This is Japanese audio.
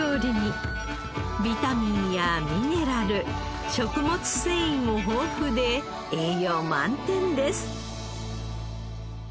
ビタミンやミネラル食物繊維も豊富で栄養満点です。